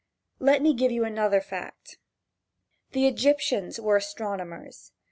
Let me give you another fact: The Egyptians were astronomers.